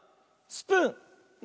スプーン